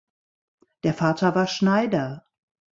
Der Vater war Schneider.